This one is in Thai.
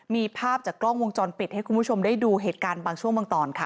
มีภาพจากกล้องวงจรปิดให้คุณผู้ชมได้ดูเหตุการณ์บางช่วงบางตอนค่ะ